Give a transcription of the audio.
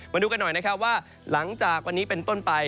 มาดูกันหน่อยนะครับว่าหลังจากวันนี้เป็นต้นไป